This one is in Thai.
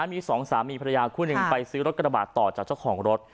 มีสองสามีภรรยาคู่หนึ่งไปซื้อรถกระบาดต่อจากเจ้าของรถ